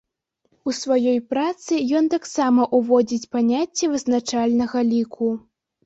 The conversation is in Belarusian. У сваёй працы ён таксама ўводзіць паняцце вызначальнага ліку.